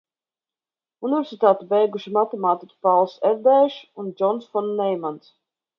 Universitāti beiguši matemātiķi Pāls Erdēšs un Džons fon Neimans.